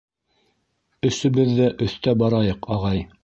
- Өсөбөҙ ҙә өҫтә барайыҡ, ағай!